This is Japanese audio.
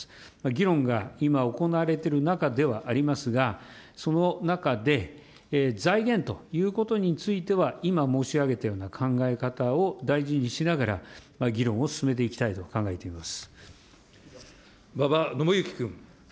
議論が今行われている中ではありますが、その中で、財源ということについては、今、申し上げたような考え方を大事にしながら議論を進めていきたいと馬場伸幸君。